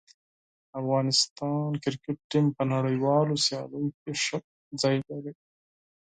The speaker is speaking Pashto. افغانستان کرکټ ټیم په نړیوالو سیالیو کې ښه مقام لري.